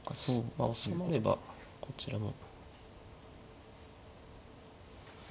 まあおさまればこちらも。